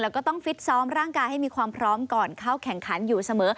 แล้วก็ต้องฟิตซ้อมร่างกายให้มีความพร้อมก่อนเข้าแข่งขันอยู่เสมอ